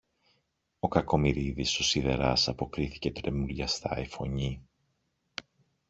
ο Κακομοιρίδης, ο σιδεράς, αποκρίθηκε τρεμουλιαστά η φωνή.